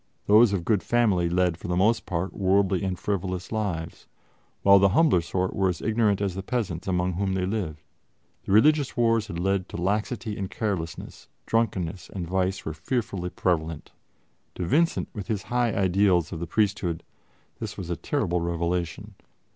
Those of good family led, for the most part, worldly and frivolous lives, while the humbler sort were as ignorant as the peasants among whom they lived. The religious wars had led to laxity and carelessness; drunkenness and vice were fearfully prevalent. To Vincent, with his high ideals of the priesthood, this was a terrible revelation.